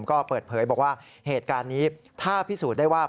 ก็เปิดเผยบอกว่าเหตุการณ์นี้ถ้าพิสูจน์ได้ว่า